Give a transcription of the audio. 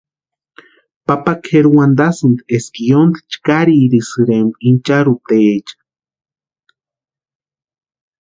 Papa kʼeri wantasïnti eska yóntki chkaririsïrempka icharhutaecha.